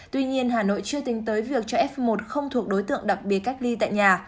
tuy nhiên hà nội chưa tính tới việc cho f một không thuộc đối tượng đặc biệt cách ly tại nhà